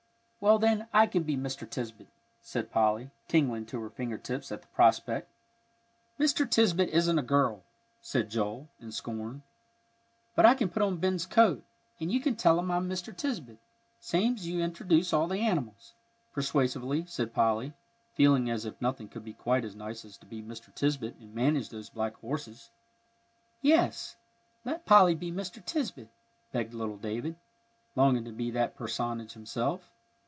"Well, then, I can be Mr. Tisbett," said Polly, tingling to her finger tips at the prospect. "Mr. Tisbett isn't a girl," said Joel, in scorn. "But I can put on Ben's coat, and you can tell 'em I'm Mr. Tisbett, same's you introduce all the animals," persuasively said Polly, feeling as if nothing could be quite as nice as to be Mr. Tisbett and manage those black horses. "Yes, let Polly be Mr. Tisbett," begged little David, longing to be that personage himself.